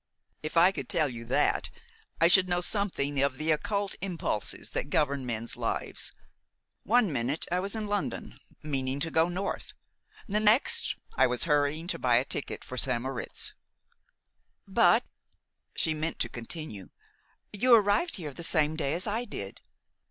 "If I could tell you that, I should know something of the occult impulses that govern men's lives. One minute I was in London, meaning to go north. The next I was hurrying to buy a ticket for St. Moritz." "But " She meant to continue, "you arrived here the same day as I did."